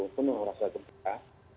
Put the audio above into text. penuh rasa gembira